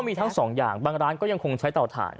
มีทั้งสองอย่างบางร้านก็ยังคงใช้เตาถ่าน